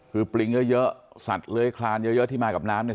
คือปลิงเยอะเยอะสัตว์เล้ยคลานเยอะเยอะที่มากับน้ำเนี่ย